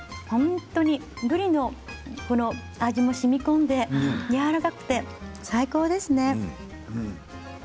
本当にぶりの味もしみこんでやわらかくて最高ですね。